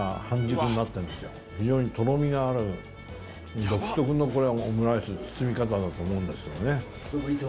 非常にとろみがある独特のオムライスの包み方だと思うんですよね。